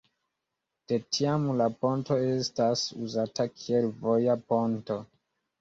De tiam la ponto estas uzata kiel voja ponto.